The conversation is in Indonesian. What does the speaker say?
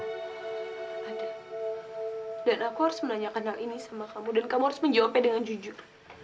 ada dan aku harus menanyakan hal ini sama kamu dan kamu harus menjawabnya dengan jujur